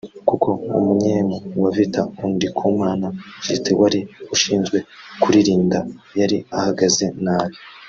kuko umunyemu wa Vital’o Ndikumana Justin wari ushinzwe kuririnda yari ahagaze nabi